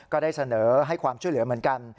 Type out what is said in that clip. ก็ได้เสนอให้ความช่วยเหลือเหมือนกัน